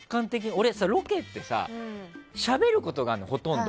俺、ロケってしゃべることがあるのよほとんど。